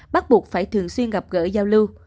bắt buộc phải thường xuyên gặp gỡ giao lưu